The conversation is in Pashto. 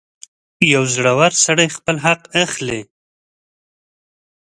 • یو زړور سړی خپل حق اخلي.